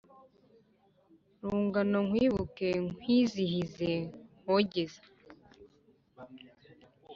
Rungano nkwibuke, nkwizihize nkogeza